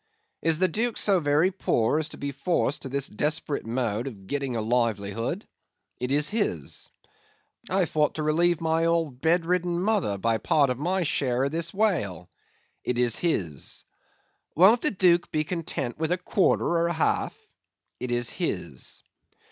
"Is the Duke so very poor as to be forced to this desperate mode of getting a livelihood?" "It is his." "I thought to relieve my old bed ridden mother by part of my share of this whale." "It is his." "Won't the Duke be content with a quarter or a half?" "It is his."